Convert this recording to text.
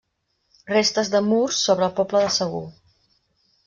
Restes de murs sobre el poble de Segur.